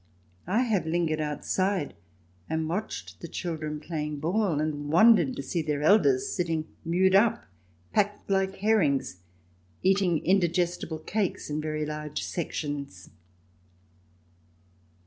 I have lingered outside and watched the children playing ball, and wondered to see their elders sitting CH. VI] BEER GARDENS 75 mewed up, packed like herrings, eating indigestible cakes in very large sections.